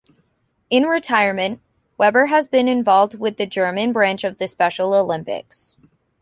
In retirement, Weber has been involved with the German branch of the Special Olympics.